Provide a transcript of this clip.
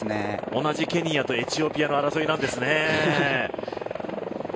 同じケニアとエチオピアの争いなんですね。